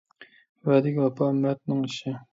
ۋەدىگە ۋاپا – مەردنىڭ ئىشى.